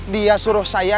dia suruh saya